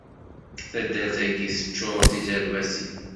Taddart-agi teččur d tizerbatin.